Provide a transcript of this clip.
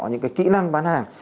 những kỹ năng bán hàng